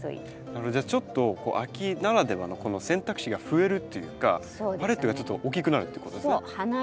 それじゃあちょっと秋ならではのこの選択肢が増えるというかパレットがちょっと大きくなるってことですね。